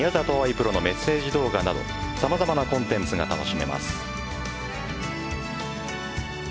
プロのメッセージ動画など様々なコンテンツが楽しめます。